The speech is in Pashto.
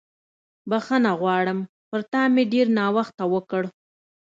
بښنه غواړم، پر تا مې ډېر ناوخته وکړ.